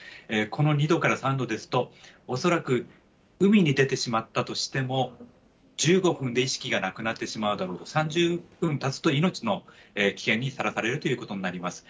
この２度から３度ですと、恐らく海に出てしまったとしても、１５分で意識がなくなってしまうだろう、３０分たつと、命の危険にさらされるということになります。